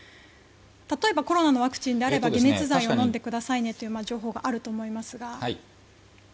例えばコロナのワクチンであれば解熱剤を飲んでくださいねという情報があると思いますが。